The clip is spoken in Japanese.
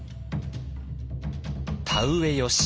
「田うえよし」